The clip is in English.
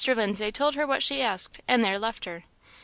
Lindsay told her what she asked, and there left her.